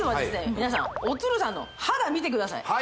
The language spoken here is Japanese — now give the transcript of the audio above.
皆さんおさんの肌見てください